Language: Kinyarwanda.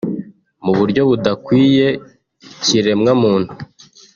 mu buryo budakwiye ikiremwamuntu